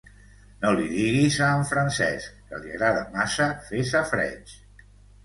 No li diguis a en Francesc, que li agrada massa fer safareig.